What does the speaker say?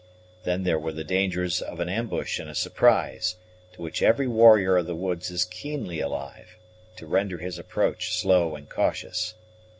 Then there were the dangers of an ambush and a surprise, to which every warrior of the woods is keenly alive, to render his approach slow and cautious.